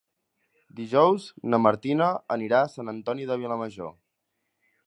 Dijous na Martina anirà a Sant Antoni de Vilamajor.